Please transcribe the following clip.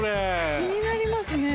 気になりますね。